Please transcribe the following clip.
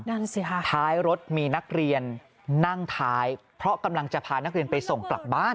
นั่นสิค่ะท้ายรถมีนักเรียนนั่งท้ายเพราะกำลังจะพานักเรียนไปส่งกลับบ้าน